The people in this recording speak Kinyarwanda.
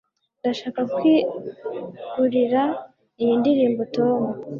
ndashaka kwegurira iyi ndirimbo tom